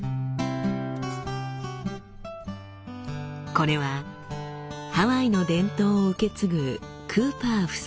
これはハワイの伝統を受け継ぐクーパー夫妻のお話。